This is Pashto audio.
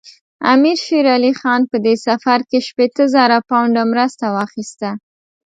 امیر شېر علي خان په دې سفر کې شپېته زره پونډه مرسته واخیسته.